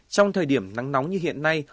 trong thời điểm nắng nóng như hiện nay